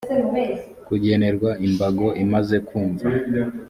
kugenerwa imbago imaze kumva